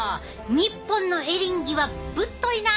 日本のエリンギはぶっといな。